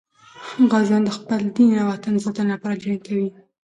غازیان د خپل دین او وطن د ساتنې لپاره جنګ کوي.